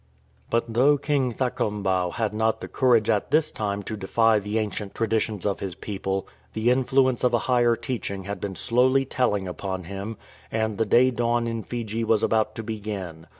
But though King Thakombau had not the courage at this time to defy the ancient traditions of his people, the influence of a higher teaching had been slowly telling upon him, and the day dawn in Fiji was about to begin.